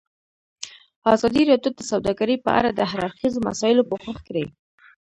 ازادي راډیو د سوداګري په اړه د هر اړخیزو مسایلو پوښښ کړی.